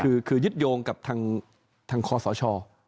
คือยึดโยงกับทางคอสช